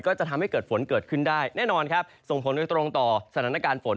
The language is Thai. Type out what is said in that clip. ก็จะทำให้เกิดฝนเกิดขึ้นได้แน่นอนครับส่งผลโดยตรงต่อสถานการณ์ฝน